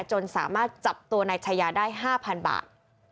จนสามารถจับตัวนายชายาได้๕๐๐๐บาท